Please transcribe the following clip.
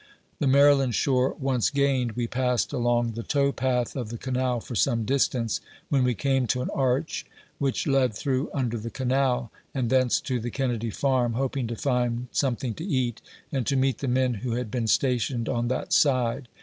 The Maryland shore once gained, we passed along the tow path of the canal for some distance, when we came to an arch, which led through under the canal, and thence to the Kennedy Farm, hoping to find something to eat, and to meet the men who had been stationed on that side.